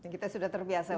kita sudah terbiasa masker